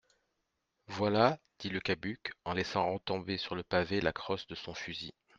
Voilà ! dit Le Cabuc en laissant retomber sur le pavé la crosse de son fusil.